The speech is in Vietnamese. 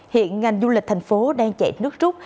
hiện ngành du lịch thành phố đang chạy nước rút